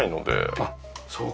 あっそうか。